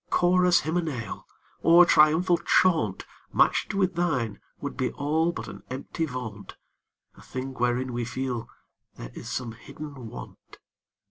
Chorus hymeneal Or triumphal chaunt, Match'd with thine, would be all But an empty vaunt A thing wherein we feel there is some hidden want.